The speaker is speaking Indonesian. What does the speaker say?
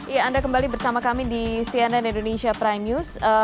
ya anda kembali bersama kami di cnn indonesia prime news